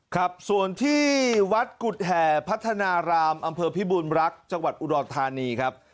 ครับส่วนที่วัดกุฎแห่พัฒนารามอำเภอพิบูรณรักษ์จังหวัดอุดรธานีครับ